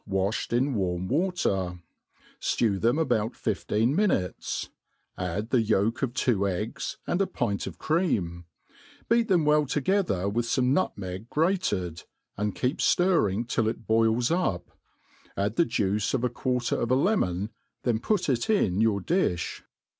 waflied in Warm water ; ftew them about Afteen minutes ; add the yolk of two eggs, and a pint of cream; beat them well toge ther with fome nptmeg grated, and keep fUrring till it boils up; add the juice of a quarter of a lemon, then pUI it in your ttlifh.